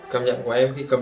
cảm giác của em khi cầm